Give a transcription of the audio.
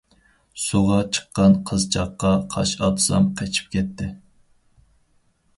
سۇغا چىققان قىزچاققا، قاش ئاتسام قېچىپ كەتتى.